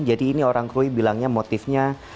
jadi ini orang krui bilangnya motifnya